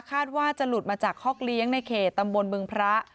คาดว่าจะหลุดมาจากคอกเลี้ยงในเขตตำบลบึงพระ